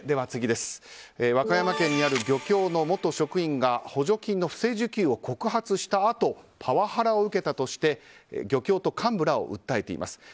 和歌山県にある漁協の元職員が補助金の不正受給を告発したあとパワハラを受けたとして漁協と幹部らを訴えています。